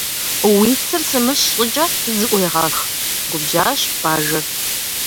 Уи цыр сымыщ щӀыкӀэ зыӀуегъэх! - губжьащ Бажэр.